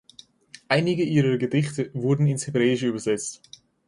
Einige ihrer Gedichte wurden ins Hebräische übersetzt.